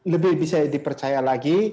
lebih bisa dipercaya lagi